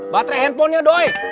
batre handphonenya doi